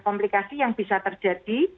komplikasi yang bisa terjadi